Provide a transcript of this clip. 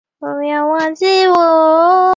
将非持球脚置于球上。